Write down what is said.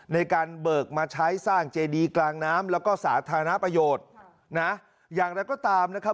ในการเบิกมาใช้สร้างเจดีกลางน้ำแล้วก็สาธารณประโยชน์นะอย่างไรก็ตามนะครับ